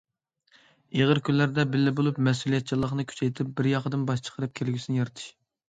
ئېغىر كۈنلەردە بىللە بولۇپ مەسئۇلىيەتچانلىقنى كۈچەيتىپ، بىر ياقىدىن باش چىقىرىپ كەلگۈسىنى يارىتىش.